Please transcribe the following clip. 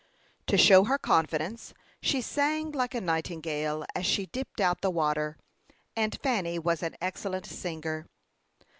To show her confidence, she sang like a nightingale, as she dipped out the water; and Fanny was an excellent singer.